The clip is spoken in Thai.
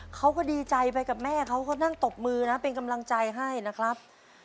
เขาก็ดีใจไปกับแม่เขาก็นั่งตบมือนะเป็นกำลังใจให้นะครับ